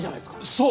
そう！